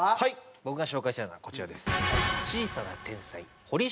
僕が紹介したいのはこちらです。